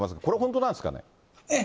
これ、本当なんですかね。